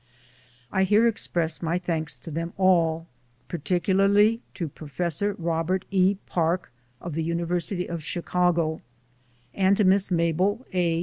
I here express my thanks to them all ; particularly to Professor Robert E. Park of the University of Chicago and to Miss Mabel A.